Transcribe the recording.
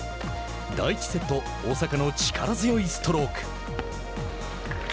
第１セット大坂の力強いストローク。